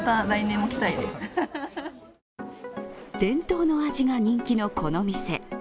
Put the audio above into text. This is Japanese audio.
伝統の味が人気のこの店。